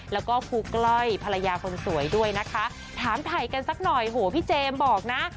แล้วก็ครูกล้อยภรรยาคนสวยด้วยนะคะถามถ่ายกันสักหน่อยโหพี่เจมส์บอกนะ